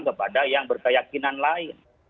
kepada yang berkeyakinan lain